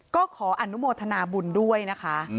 ก็ขออนุโมทนาบุญด้วยนะคะ